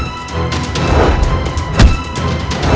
gibraltar afrika taukunasur dunia suria